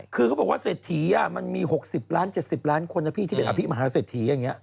คือเขาบอกว่าเสถีมันมี๖๐ล้าน๗๐ล้านคนที่เป็นอภิกษ์มหาเสถีอย่างเงี้ย